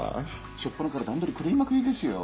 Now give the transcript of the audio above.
しょっぱなから段取りくるいまくりですよ。